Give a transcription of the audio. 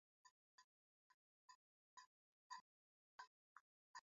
Cholmondeley has given two guineas to Ld.